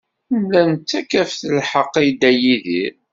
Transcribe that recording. Nella nettakf-as lḥeqq i Dda Yidir.